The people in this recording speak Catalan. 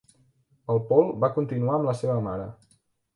El Paul va continuar amb la seva mare.